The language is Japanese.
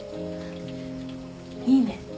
いいね。